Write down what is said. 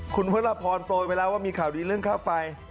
คุณพระราพรโปรยไปแล้วว่ามีข่าวดีเรื่องค่าไฟ